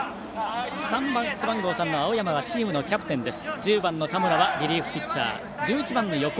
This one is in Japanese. ３番、青山はチームのキャプテンです。